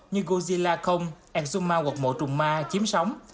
như godzilla exuma hoặc mộ trùng ma chiếm sóng